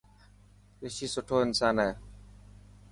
رشي سٺو انسان هي.